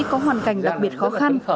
có hoàn cảnh đặc biệt khó khăn